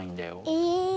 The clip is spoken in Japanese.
え。